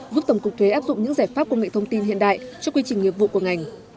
giúp tổng cục thuế áp dụng những giải pháp công nghệ thông tin hiện đại cho quy trình nghiệp vụ của ngành